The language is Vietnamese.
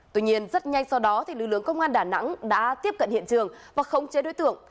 tuy nhiên rất nhanh sau đó lực lượng công an đà nẵng đã tiếp cận hiện trường và khống chế đối tượng